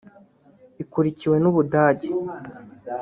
ikurikiwe n’u Budage